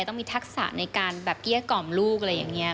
ต้องมีทักษะในการแบบเกลี้ยกล่อมลูกอะไรอย่างนี้